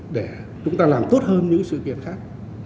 và cái giúp kinh nghiệm này là chúng ta làm tốt hơn những sự kiện khác